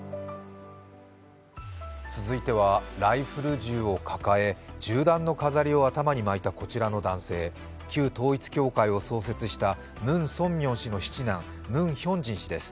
続いてはライフル銃を抱え銃弾の飾りを頭に巻いたこちらの男性、旧統一教会を創設したムン・ソンミョン氏の七男ムン・ヒョンジン氏です。